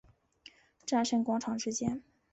战神广场之间。